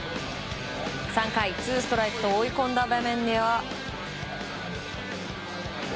３回、ツーストライクと追い込んだ場面では。